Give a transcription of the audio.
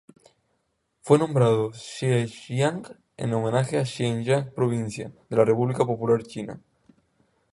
Fue nombrado Zhejiang en homenaje a Zhejiang provincia de la República Popular China.